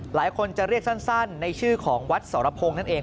หลายคนจะเรียกสั้นในชื่อของวัดสรพงศ์นั่นเอง